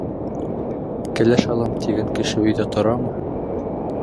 Кәләш алам тигән кеше өйҙә торамы?